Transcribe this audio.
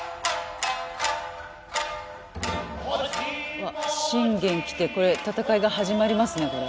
うわっ信玄来てこれ戦いが始まりますねこれ。